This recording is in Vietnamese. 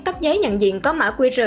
các giấy nhận diện có mã qr